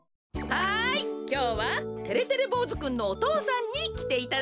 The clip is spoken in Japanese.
はいきょうはてれてれぼうずくんのお父さんにきていただきました。